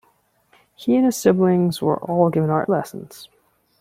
He and his siblings were all given art lessons.